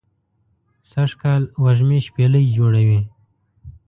سږ کال وږمې شپیلۍ جوړوی